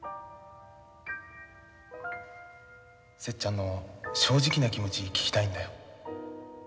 節ちゃんの正直な気持ち聞きたいんだよ。